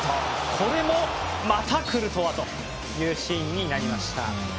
これも、またクルトワというシーンになりました。